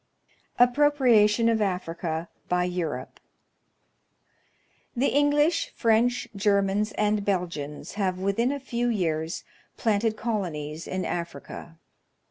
Appropriation of Africa by Europe. The English, French, Germans, and Belgians have within a few years planted colonies in Africa.